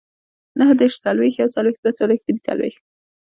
نههدېرش، څلوېښت، يوڅلوېښت، دوهڅلوېښت، دريڅلوېښت